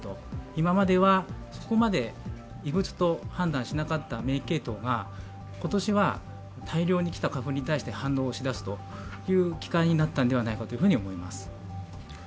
今までは、そこまで異物と判断しなかった免疫系統が今年は大量に来た花粉に対して反応し出すということになったんじゃないかと思います。